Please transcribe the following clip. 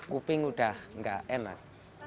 kuping udah gak enak